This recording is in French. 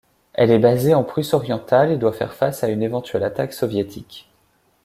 Elle est basée en Prusse-Orientale et doit faire face à une éventuelle attaque soviétique.